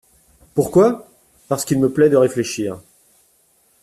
Pourquoi ? Parce qu'il me plaît de réfléchir.